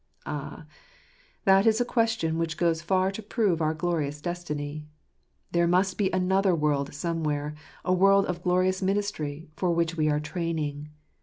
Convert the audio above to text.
Ah, that is a question which goes far to prove our glorious destiny. There must be another world somewhere, a world of glorious ministry, for which we are training.